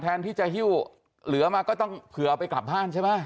แทนที่จะหิ้วเหลือมาก็ต้องเผื่อเอาไปกลับบ้านใช่ไหม